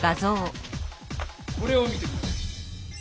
これを見て下さい。